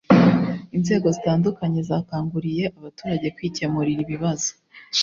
inzego zitandukanye zakanguriye abaturage kwikemurira ibibazo